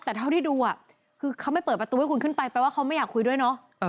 แต่เท่าที่ดูคือเขาไม่เปิดประตูให้คุณขึ้นไปแปลว่าเขาไม่อยากคุยด้วยเนอะ